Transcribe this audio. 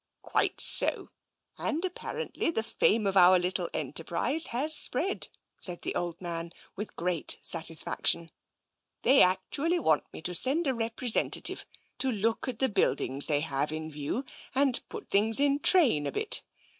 " Quite so. And apparently the fame of our little enterprise has spread," said the old man, with great satisfaction. " They actually want me to send a repre sentative to look at the buildings they have in view, and put things in train a bit.